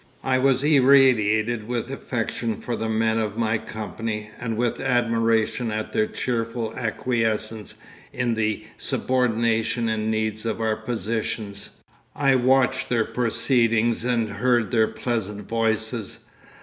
I was irradiated with affection for the men of my company and with admiration at their cheerful acquiescence in the subordination and needs of our positions. I watched their proceedings and heard their pleasant voices.